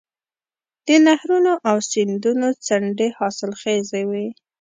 د نهرونو او سیندونو څنډې حاصلخیزې وي.